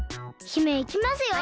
姫いきますよ！